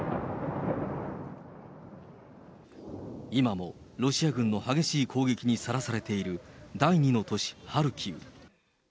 今もロシア軍の激しい攻撃にさらされている、第２の都市ハルキウ。